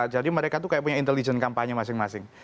jadi mereka tuh kayak punya intelijen kampanye masing masing